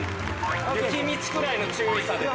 雪道くらいの注意さでね。